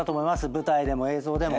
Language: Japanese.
舞台でも映像でも。